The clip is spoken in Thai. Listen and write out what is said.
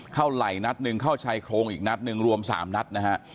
ไหล่นัดหนึ่งเข้าชายโครงอีกนัดหนึ่งรวม๓นัดนะฮะ